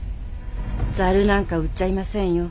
ざるなんか売っちゃいませんよ。